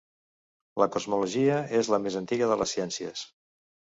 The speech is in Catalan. La cosmologia és la més antiga de les ciències.